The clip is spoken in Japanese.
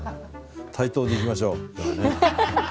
対等でいきましょう今日はね。